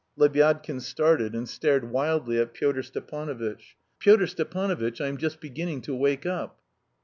Lebyadkin started and stared wildly at Pyotr Stepanovitch. "Pyotr Stepanovitch, I am just beginning to wake up."